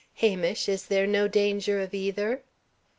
Hamish; is there no danger of either?"